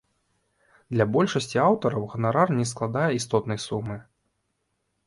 Для большасці аўтараў ганарар не складае істотнай сумы.